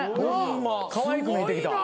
かわいく見えてきた。